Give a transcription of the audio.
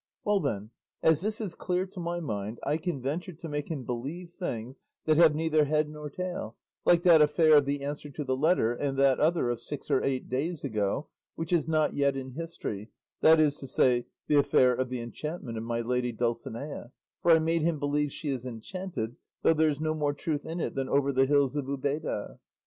Well, then, as this is clear to my mind, I can venture to make him believe things that have neither head nor tail, like that affair of the answer to the letter, and that other of six or eight days ago, which is not yet in history, that is to say, the affair of the enchantment of my lady Dulcinea; for I made him believe she is enchanted, though there's no more truth in it than over the hills of Ubeda."